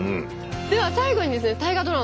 では最後にですね大河ドラマ